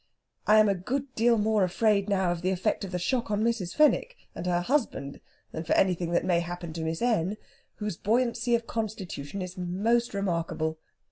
I am a good deal more afraid now of the effect of the shock on Mrs. Fenwick and her husband than for anything that may happen to Miss N., whose buoyancy of constitution is most remarkable.